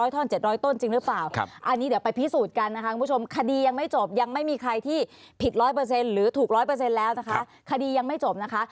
๗๐๐ท่อน๗๐๐ต้นจริงหรือเปล่าอันนี้เดี๋ยวไปพิสูจน์กันนะคะคุณผู้ชมคดียังไม่จบยังไม่มีใครที่ผิด๑๐๐หรือถูก๑๐๐แล้วนะคะคดียังไม่จบนะคะ